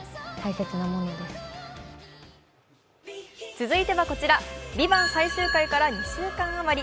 続いてはこちら、「ＶＩＶＡＮＴ」最終回から２週間余り。